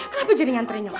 kenapa jadi ngantri nyokap ya